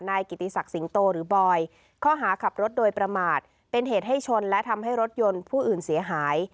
กิติศักดิ์สิงโตหรือบอยข้อหาขับรถโดยประมาทเป็นเหตุให้ชนและทำให้รถยนต์ผู้อื่นเสียหาย